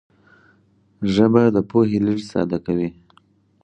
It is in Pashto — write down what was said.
ژبه د پوهې لېږد ساده کوي